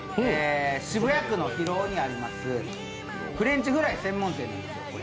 渋谷区の広尾にあります、フレンチフライ専門店なんですよ。